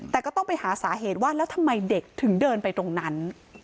แต่ก็ต้องไปหาสาเหตุว่าแล้วทำไมเด็กถึงเดินไปตรงนั้น